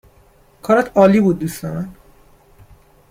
کارت عالی بود دوست من